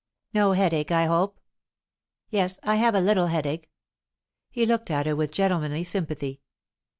"No headache, I hope?" "Yes, I have a little headache." He looked at her with gentlemanly sympathy.